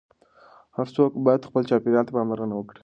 هر څوک باید خپل چاپیریال ته پاملرنه وکړي.